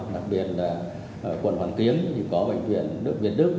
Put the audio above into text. đặc biệt là quận hoàn kiến thì có bệnh viện đức việt đức